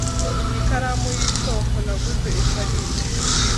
Iyi karamu yisoko naguze i Paris